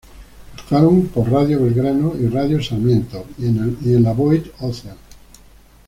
Actuaron por Radio Belgrano y Radio Sarmiento y en la boite Ocean.